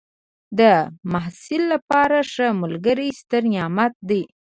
د محصل لپاره ښه ملګری ستر نعمت دی.